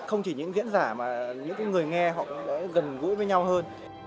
không chỉ những diễn giả mà những người nghe họ cũng đã gần gũi với nhau hơn